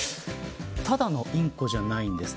ただのインコじゃないんです。